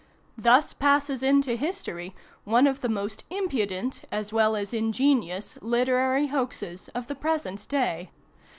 Thus passes into history one of the most impudent as well as ingenious literary hoaxes of the present day.